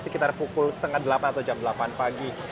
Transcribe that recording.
sekitar pukul setengah delapan atau jam delapan pagi